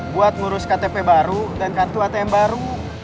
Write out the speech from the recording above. buat ngurus ktp baru dan kartu atm baru